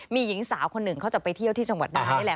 มีหญิงสาวคนหนึ่งเขาจะไปเที่ยวที่จังหวัดน่านนี่แหละ